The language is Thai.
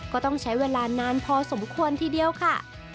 ก็ต้องใช้เวลานานพอสมควรทีเดียวค่ะ